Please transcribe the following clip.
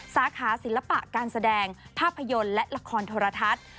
สาขาศิลปะการแสดงภาพยนตร์และละครโทรทัศน์